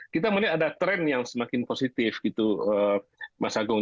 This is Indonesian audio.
kita melihat ada tren yang semakin positif gitu mas agung